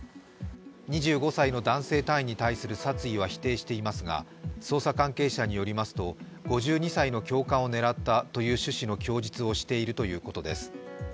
２５歳の男性隊員に対する殺意は否定していますが捜査関係者によりますと、５２歳の教官を狙ったという趣旨の供述をしているということです。